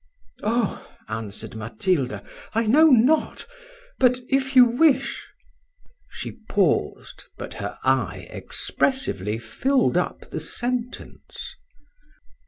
"Oh!" answered Matilda, "I know not; but if you wish" She paused, but her eye expressively filled up the sentence.